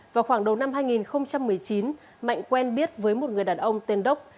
vào khoảng đầu năm hai nghìn một mươi chín mạnh quen biết với một người đàn ông tên đốc